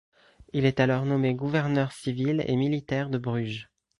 Il est alors nommé gouverneur civil et militaire de Bruges.